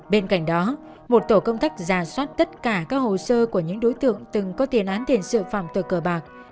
bên cạnh đó một tổ công thách ra soát tất cả các hồ sơ của những đối tượng từng có tiền án tiền sự phòng tờ cờ bạc